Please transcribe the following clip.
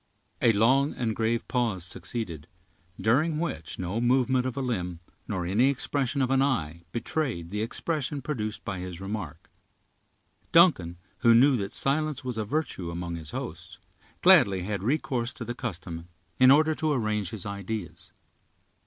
A long and grave pause succeeded, during which no movement of a limb, nor any expression of an eye, betrayed the expression produced by his remark. Duncan, who knew that silence was a virtue among his hosts, gladly had recourse to the custom, in order to arrange his ideas.